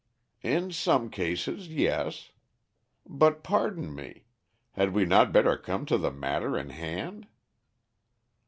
"In some cases, yes. But pardon me. Had we not better come to the matter in hand?"